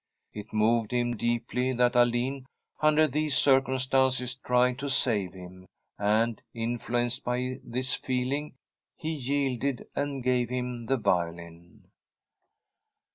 It moved him deeply that Alin under these circumstances tried to save him, and, influenced by this feeling, he yielded and gave him the violin.